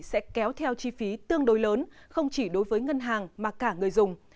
sẽ kéo theo chi phí tương đối lớn không chỉ đối với ngân hàng mà cả người dùng